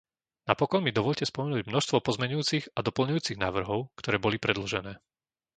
Napokon mi dovoľte spomenúť množstvo pozmeňujúcich a doplňujúcich návrhov, ktoré boli predložené.